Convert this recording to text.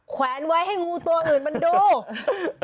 แวนไว้ให้งูตัวอื่นมันดู